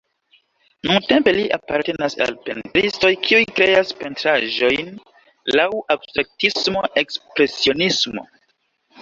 Nuntempe li apartenas al pentristoj, kiuj kreas pentraĵojn laŭ abstraktismo-ekspresionismo.